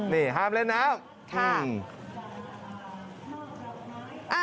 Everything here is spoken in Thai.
นี่ห้ามเล่นน้ำอืมค่ะอืมอืม